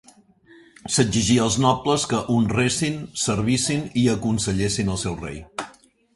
S'exigia als nobles que honressin, servissin i aconsellessin al seu rei.